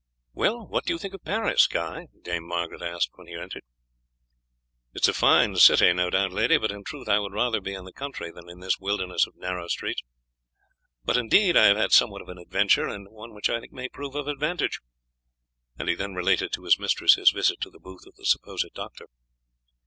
"Well, what do you think of Paris, Guy?" Dame Margaret asked when he entered. "It is a fine city, no doubt, lady, but in truth I would rather be in the country than in this wilderness of narrow streets. But indeed I have had somewhat of an adventure, and one which I think may prove of advantage;" and he then related to his mistress his visit to the booth of the supposed doctor.